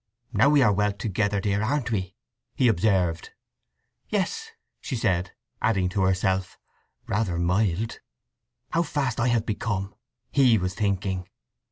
"Now we are well together, dear, aren't we?" he observed. "Yes," said she; adding to herself: "Rather mild!" "How fast I have become!" he was thinking.